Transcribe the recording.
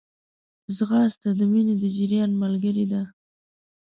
ځغاسته د وینې د جریان ملګری ده